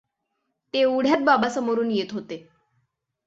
तेवढ्यात बाबा समोरून येत होते.